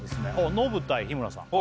ノブ対日村さん